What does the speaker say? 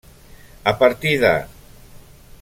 A partir de: